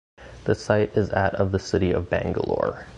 The site is at of the city of Bangalore.